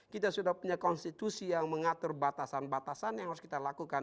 kita sudah punya konstitusi yang mengatur batasan batasan yang harus kita lakukan